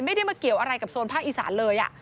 ไม่ได้มาเกี่ยวอะไรกับโซนภาคอีสานเลย